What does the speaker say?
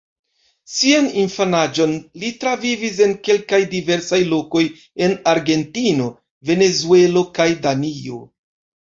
Sian infanaĝon li travivis en kelkaj diversaj lokoj en Argentino, Venezuelo kaj Danio.